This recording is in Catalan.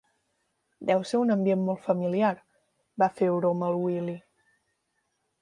Deu ser un ambient molt familiar —va fer broma el Willy.